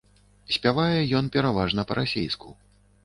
Спявае ён пераважна па-расейску.